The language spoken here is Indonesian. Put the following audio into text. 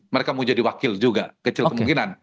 mereka mau jadi wakil juga kecil kemungkinan